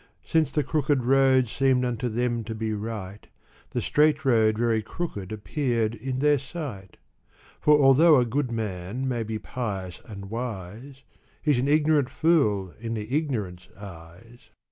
Since the crook6d road seemed unto them to be right. The straight road very crooked appeared in their sight ; For although a good man may be pious and wise, He's an ignorant fool in the ignorant's eyes.